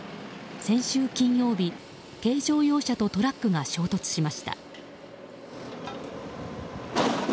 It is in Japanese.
先週金曜日、軽乗用車とトラックが衝突しました。